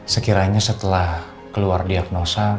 sekiranya setelah keluar diagnosa